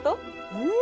うん！